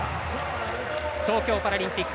東京パラリンピック